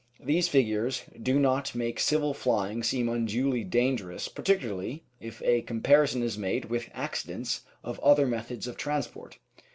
These figures do not make civil flying seem unduly dangerous, particularly if a comparison is made with accidents of other methods of transport.